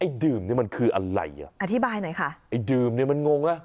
ดื่มนี่มันคืออะไรอ่ะอธิบายหน่อยค่ะไอ้ดื่มเนี้ยมันงงนะ